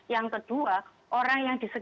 yang kedua orang yang disediakan